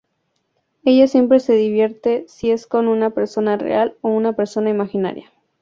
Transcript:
Ella siempre se divierte si es con una persona real o una persona imaginaria.